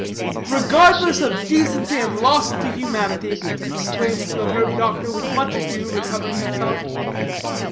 "Regardless of decency, and lost to humanity!" exclaimed the herb doctor, with much ado recovering himself.